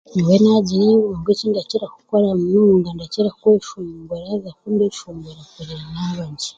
Nyowe naagira eirunga eki ndakira kukora munonga ndakira kweshongora kureeba ngu naabagye